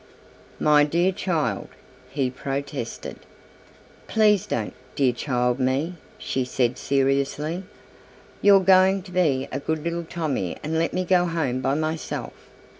"My dear child," he protested. "Please don't 'dear child' me," she said seriously; "you're going to be a good little Tommy and let me go home by myself."